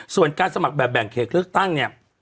ส่วนการสมัครแบบแบ่งเขตเลือกตั้งเนี่ย